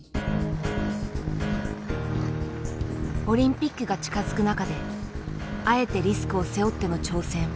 オリンピックが近づく中であえてリスクを背負っての挑戦。